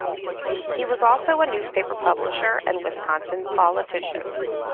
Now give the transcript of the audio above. He was also a newspaper publisher and Wisconsin politician.